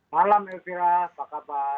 malam elvira apa kabar